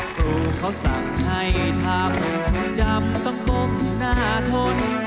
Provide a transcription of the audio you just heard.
โปรเขาสั่งให้ทัพจำต้องกบหน้าทน